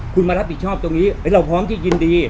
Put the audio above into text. คุณมารับผิดชอบตรงนี้เราพร้อมที่ยินดี